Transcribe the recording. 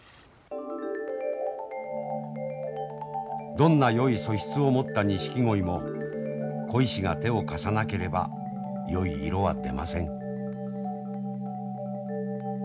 どんなよい素質を持ったニシキゴイも鯉師が手を貸さなければよい色は出ません。